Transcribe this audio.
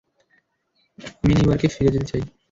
আমি নিউইয়র্কে ফিরে যেতে চাই।